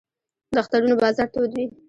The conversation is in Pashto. د اخترونو بازار تود وي